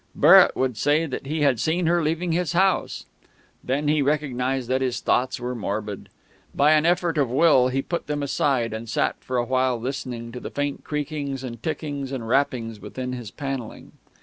Barrett would say that he had seen her leaving his house.... Then he recognised that his thoughts were morbid. By an effort of will he put them aside, and sat for a while listening to the faint creakings and tickings and rappings within his panelling....